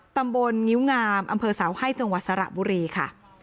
ตำบลงิวงามอเมฆเสาไห้จังหวัดสระบุรีค่ะ